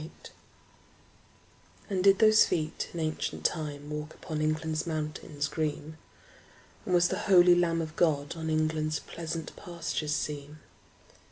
Y Z Jerusalem AND did those feet in ancient time Walk upon England's mountains green? And was the holy Lamb of God On England's pleasant pastures seen?